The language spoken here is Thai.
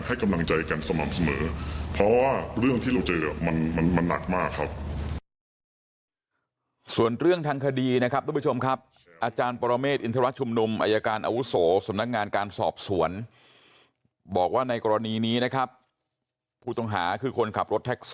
กำลังใจกันสม่ำเสมอเพราะว่าเรื่องที่เราเจอมันมันหนักมากครับ